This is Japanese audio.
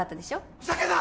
ふざけんな！